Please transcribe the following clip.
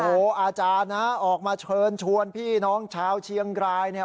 โอ้โหอาจารย์นะออกมาเชิญชวนพี่น้องชาวเชียงรายเนี่ย